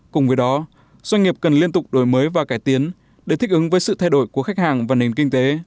cùng với đó doanh nghiệp cần liên tục đổi mới và cải tiến để thích ứng với sự thay đổi của khách hàng và nền kinh tế